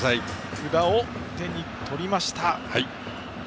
札を手に取りました。